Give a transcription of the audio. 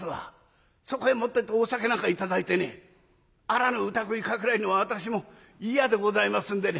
そこへもってお酒なんか頂いてねあらぬ疑いかけられるのは私も嫌でございますんでね」。